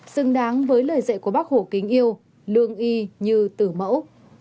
xứng đáng với lời dạy của bác hổ kính yêu lương y như tử mẫu